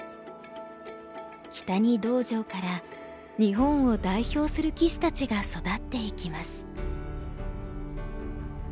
木谷道場から日本を代表する棋士たちが育っていきます。